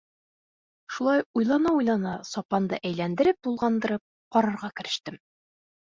Шулай уйлана-уйлана сапанды әйләндереп-тулғандырып ҡарарға керештем.